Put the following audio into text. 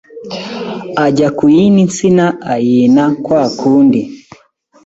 ” ajya ku yindi nsina ayina kwa kundi”